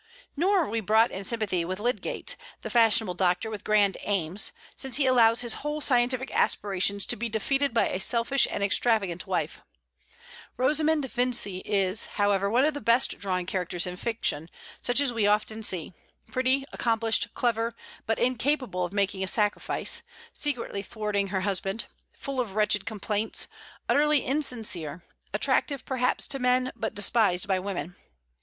Nor are we brought in sympathy with Lydgate, the fashionable doctor with grand aims, since he allows his whole scientific aspirations to be defeated by a selfish and extravagant wife. Rosamond Vincy is, however, one of the best drawn characters in fiction, such as we often see, pretty, accomplished, clever, but incapable of making a sacrifice, secretly thwarting her husband, full of wretched complaints, utterly insincere, attractive perhaps to men, but despised by women.